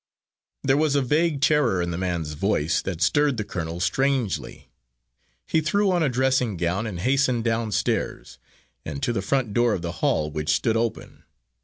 There was a vague terror in the man's voice that stirred the colonel strangely. He threw on a dressing gown and hastened downstairs, and to the front door of the hall, which stood open.